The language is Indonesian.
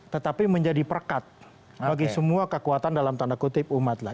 tetapi menjadi perkat bagi semua kekuatan dalam tanda kutip umat lah